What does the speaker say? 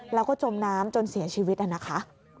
แล้วก็จมน้ำจนเสียชีวิตนะคะ